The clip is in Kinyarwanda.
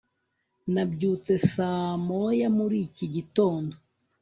nabyutse saa moya muri iki gitondo